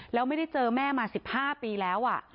แล้วไม่ได้เจอแม่มา๑๕ปีแล้ว